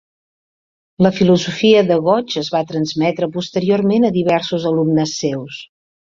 La filosofia de Gotch es va transmetre posteriorment a diversos alumnes seus.